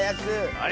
あれ？